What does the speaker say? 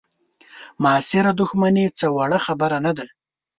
معاصره دوښمني څه وړه خبره نه ده.